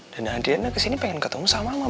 dan adriana kesini pengen ketemu sama mama